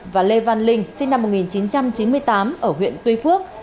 và lê văn linh sinh năm một nghìn chín trăm chín mươi tám ở huyện tuy phước